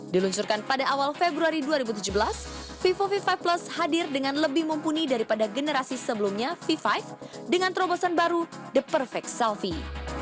diluncurkan pada awal februari dua ribu tujuh belas vvo v lima plus hadir dengan lebih mumpuni daripada generasi sebelumnya v lima dengan terobosan baru the perfect selfie